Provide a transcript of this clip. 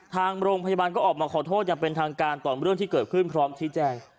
ทางโรงพยาบาลก็ออกมาขอโทษอย่างเป็นทางการต่อเรื่องที่เกิดขึ้นพร้อมชี้แจง